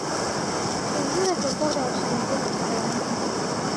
خنزيرة تـرضع الخنازير الصغيرة.